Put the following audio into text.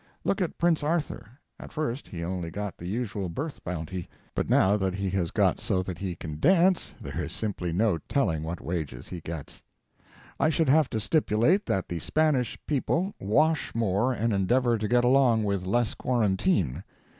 Look at Prince Arthur. At first he only got the usual birth bounty; but now that he has got so that he can dance, there is simply no telling what wages he gets. I should have to stipulate that the Spanish people wash more and endeavour to get along with less quarantine.